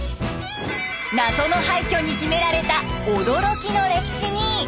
謎の廃虚に秘められた驚きの歴史に。